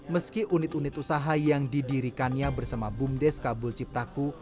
meski unit unit usaha yang didirikannya bersama bumdes kabul ciptaku